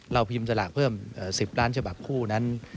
เราพิมพ์สลากเพิ่ม๑๐ล้านฉบับคู่นั้น